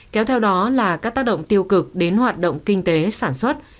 kéo theo đó là các tác động tiêu cực đến hoạt động kinh tế sản xuất